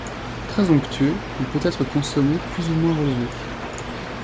Très onctueux, il peut être consommé plus ou moins relevé.